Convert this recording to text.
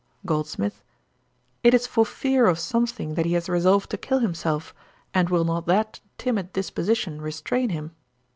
GOLDSMITH. 'It is for fear of something that he has resolved to kill himself; and will not that timid disposition restrain him?'